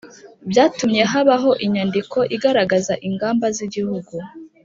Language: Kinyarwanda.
byatumye habaho inyandiko igaragaza ingamba z'igihugu